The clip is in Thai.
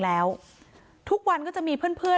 นางศรีพรายดาเสียยุ๕๑ปี